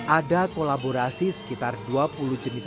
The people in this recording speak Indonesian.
ada kolaborasi sekitar dua puluh jenis